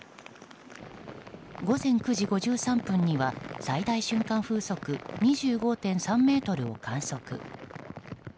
午前９時５３分には最大瞬間風速２５．３メートルを観測。